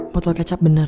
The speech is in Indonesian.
potol kecap bener